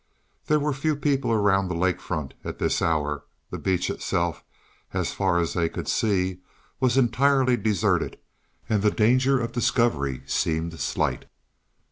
There were few people around the lake front at this hour; the beach itself, as far as they could see, was entirely deserted, and the danger of discovery seemed slight.